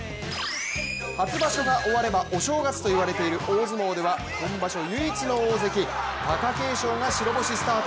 初場所が終わればお正月といわれている大相撲では今場所唯一の大関・貴景勝が白星スタート。